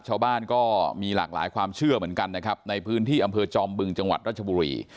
ชาวบ้านก็มีหลากหลายความเชื่อเหมือนกันนะครับในพื้นที่อำเภอจอมบึงจังหวัดรัชบุรี